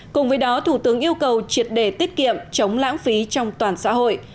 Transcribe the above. cùng với đó thủ tướng yêu cầu triệt để tiết kiệm chống lãng phí trong toàn xã hội